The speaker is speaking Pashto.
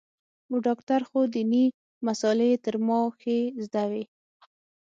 و ډاکتر خو ديني مسالې يې تر ما ښې زده وې.